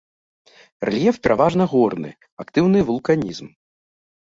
Рэльеф пераважна горны, актыўны вулканізм.